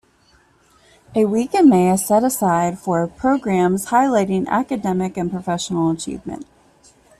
A week in May is set aside for programs highlighting academic and professional achievement.